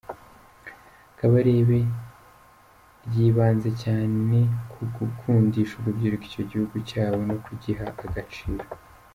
Kabarebe ryibanze cyane ku gukundisha urubyiruko igihugu cyabo no kugiha agaciro.